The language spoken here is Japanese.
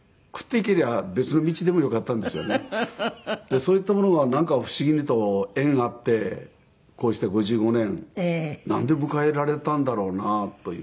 そういったものがなんか不思議にと縁あってこうして５５年なんで迎えられたんだろうなという。